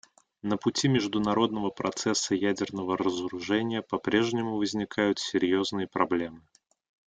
На пути международного процесса ядерного разоружения попрежнему возникают серьезные проблемы.